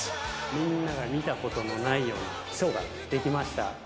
みんなが見たことのないようなショーができました。